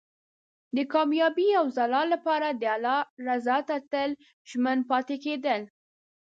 د کامیابۍ او ځلا لپاره د الله رضا ته تل ژمن پاتې کېدل.